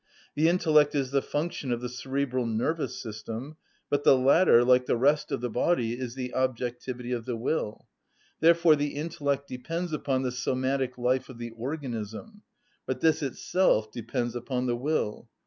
The intellect is the function of the cerebral nervous system; but the latter, like the rest of the body, is the objectivity of the will. Therefore the intellect depends upon the somatic life of the organism; but this itself depends upon the will.